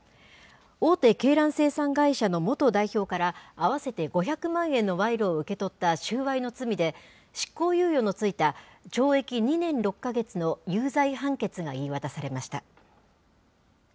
大手鶏卵生産会社の元代表から、合わせて５００万円のわいろを受け取った収賄の罪で、執行猶予の付いた懲役２年６か月の有罪判決が言い渡されました。